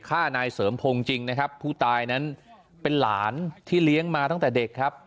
ฆ่านายเสริมพงศ์จริงนะครับผู้ตายนั้นเป็นหลานที่เลี้ยงมาตั้งแต่เด็กครับ